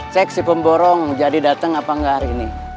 cek si pemborong jadi datang apa nggak hari ini